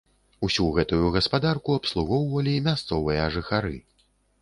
Усю гэтую гаспадарку абслугоўвалі мясцовыя жыхары.